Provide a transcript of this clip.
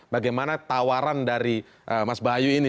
bagaimana tawaran dari mas bayu ini